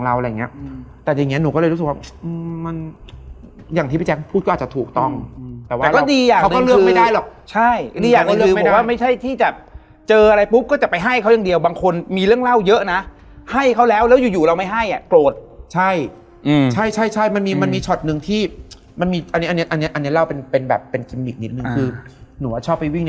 แล้วมันก็เลยผ่านทุกอย่างไปเราก็ไม่ได้คิดในใจว่า